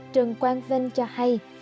trần quang vinh cho hay